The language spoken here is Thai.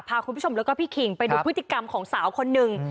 พาคุณผู้ชมแล้วก็พี่คิงไปดูพฤติกรรมของสาวคนหนึ่ง